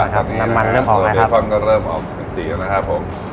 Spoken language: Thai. อ๋ออ๋ออ๋อตอนนี้เบคอนก็เริ่มออกเป็นสีแล้วนะครับผม